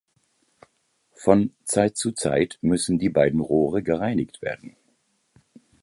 Von Zeit zu Zeit müssen die beiden Rohre gereinigt werden.